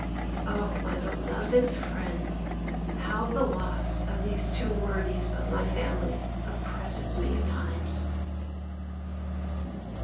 O my beloved friend! how the loss of these two worthies of my family oppresses me at times!